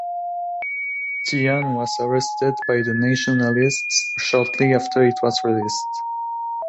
Tian was arrested by the Nationalists shortly after it was released.